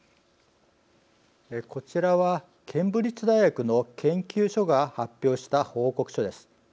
こちらはケンブリッジ大学の研究所が発表した報告書です。